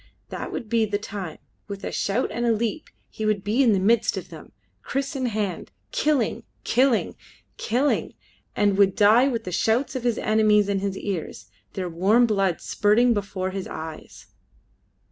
That would be the time: with a shout and a leap he would be in the midst of them, kriss in hand, killing, killing, killing, and would die with the shouts of his enemies in his ears, their warm blood spurting before his eyes.